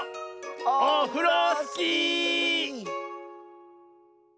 オフロスキー！